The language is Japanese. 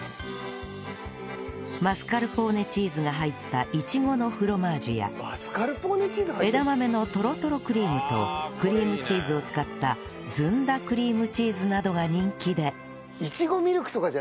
マスカルポーネチーズが入ったいちごのフロマージュや枝豆のとろとろクリームとクリームチーズを使ったずんだクリームチーズなどが人気で